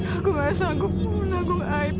aku tidak sanggup menanggung air